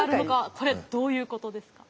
これどういうことですか？